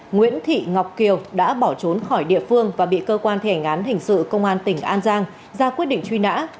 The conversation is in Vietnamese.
nguyễn thị ngọc kiều đã bỏ trốn khỏi địa phương và bị cơ quan thể ngán hình sự công an tỉnh an giang ra quyết định truy nã